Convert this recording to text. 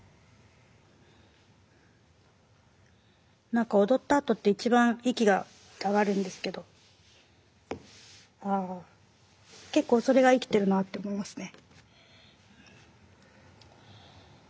何か踊ったあとって一番息が上がるんですけど結構それが生きてるなって思いますね。